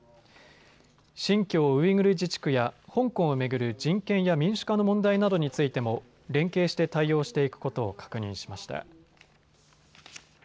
新疆ウイグル自治区や香港を巡る人権や民主化の問題などについても連携して対応していくことを確認しました。